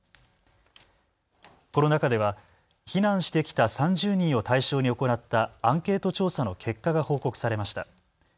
この中では避難してきた３０人を対象に行ったアンケート調査の結果が報告されました。